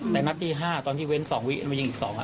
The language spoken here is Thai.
แต่นัดที่๕ตอนที่เว้น๒วิต้องไปยิงอีก๒อ่ะ